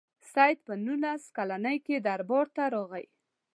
سید په نولس کلني کې دربار ته راغی.